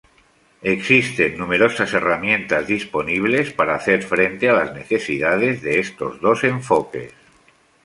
Existen numerosas herramientas disponibles para hacer frente a las necesidades de estos dos enfoques.